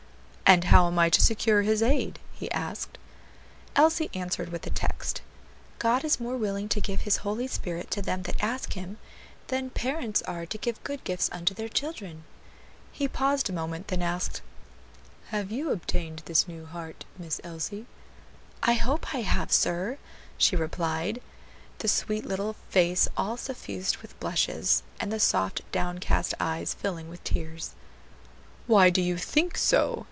"And how am I to secure His aid?" he asked. Elsie answered with a text: "God is more willing to give His Holy Spirit to them that ask Him, than parents are to give good gifts unto their children." He paused a moment; then asked, "Have you obtained this new heart, Miss Elsie?" "I hope I have, sir," she replied, the sweet little face all suffused with blushes, and the soft, downcast eyes filling with tears. "Why do you think so?"